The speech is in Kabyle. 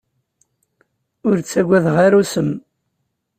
Ur ttagadeɣ ara usem.